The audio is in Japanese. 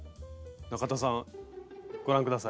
中田さんご覧下さい。